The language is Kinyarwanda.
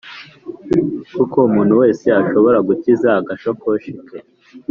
kuko umuntu wese ashobora gukiza agasakoshi ke,